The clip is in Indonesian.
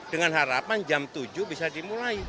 dengan harapan jam tujuh bisa dimulai